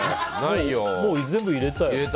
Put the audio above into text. もう、全部入れたよ。